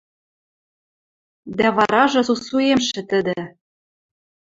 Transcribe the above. Дӓ варажы сусуэмшӹ тӹдӹ